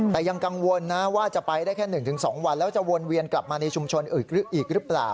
แต่ยังกังวลนะว่าจะไปได้แค่๑๒วันแล้วจะวนเวียนกลับมาในชุมชนอื่นอีกหรือเปล่า